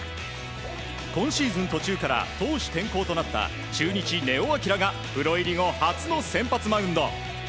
今シーズン途中から投手転向となった中日、根尾昂がプロ入り後初の先発マウンド。